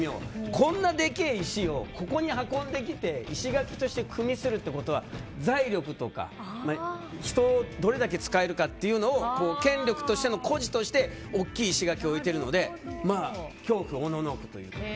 こんなでけえ石をここに運んできて石垣として組むってことは財力とか人をどれだけ使えるかというのを権力の誇示として大きい石垣を置いているので恐怖、おののくという。